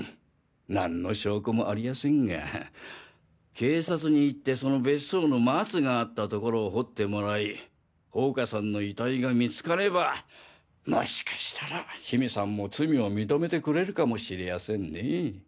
何の証拠もありやせんが警察に言ってその別荘の松があった所を掘ってもらい宝華さんの遺体が見つかればもしかしたら緋美さんも罪を認めてくれるかもしれやせんねぇ。